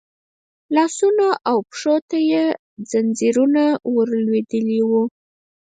لاسونو او پښو ته يې ځنځيرونه ور لوېدلي وو.